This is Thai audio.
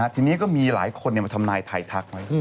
ทีนี้ก็มีหลายคนมาทำนายไทยทักไว้